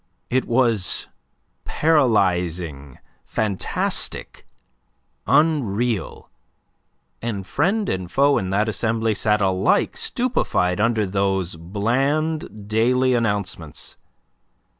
It was paralyzing, fantastic, unreal; and friend and foe in that assembly sat alike stupefied under those bland daily announcements.